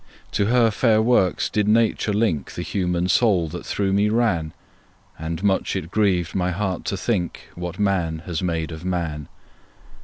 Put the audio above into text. To her fair works did Nature link The human soul that through me ran; And much it grieved my heart to think What man has made of man.